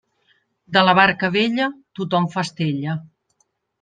De la barca vella, tothom fa estella.